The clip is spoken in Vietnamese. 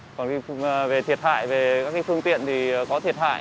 còn về thiệt hại về các phương tiện thì có thiệt hại